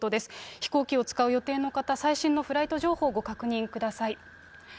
飛行機を使う予定の方、最新のフライト情報をご確認ください。